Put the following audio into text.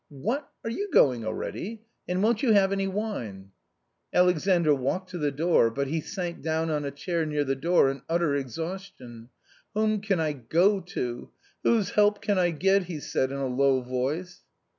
"What! are you going already? and won't you have any wine ?" Alexandr walked to the door, but he sank down on a chair near the door in utter exhaustion. " Whom can I go to ? whose help can I get ?" he said in a low voice.